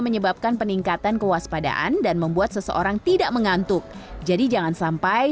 menyebabkan peningkatan kewaspadaan dan membuat seseorang tidak mengantuk jadi jangan sampai